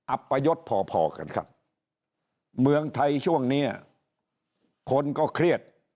อัปยศพ่อพอกันครับเมืองไทยช่วงนี้คนก็เครียด